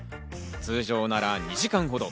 通常なら２時間ほど。